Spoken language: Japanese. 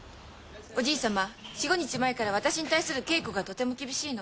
おじいさま４５日前から私に対する稽古がとても厳しいの。